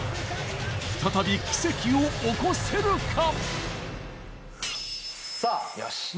再び奇跡を起こせるかさあま